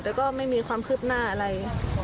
แต่ก็ไม่มีความคืบหน้าอะไร